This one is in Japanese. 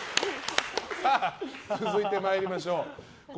続いて、参りましょう。